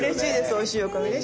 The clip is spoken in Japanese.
おいしいお米ね。